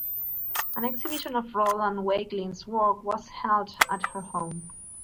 An exhibition of Roland Wakelin's work was held at her home.